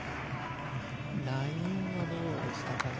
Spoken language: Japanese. ラインはどうでしたかね。